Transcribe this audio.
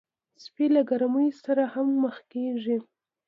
سپي له ګرمۍ سره هم مخ کېږي.